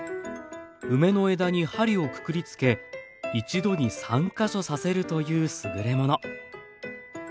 梅の枝に針をくくりつけ一度に３か所刺せるというすぐれもの。